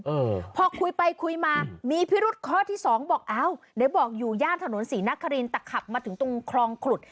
เออพอคุยไปคุยมามีพิรุษข้อที่สองบอกอ้าวเดี๋ยวบอกอยู่ย่านถนนศรีนครินแต่ขับมาถึงตรงคลองขุด